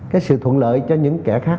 cái sự thuận lợi cho những kẻ khác